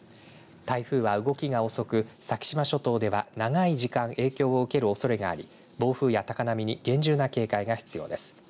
台風は動きが遅く先島諸島では長い時間、影響を受けるおそれがあり暴風や高波に厳重な警戒が必要です。